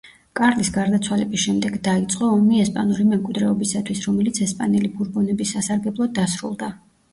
კარლის გარდაცვალების შემდეგ დაიწყო ომი ესპანური მემკვიდრეობისათვის, რომელიც ესპანელი ბურბონების სასარგებლოდ დასრულდა.